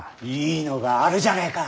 いいのがあるじゃねえか。